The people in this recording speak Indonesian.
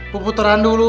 puput terang dulu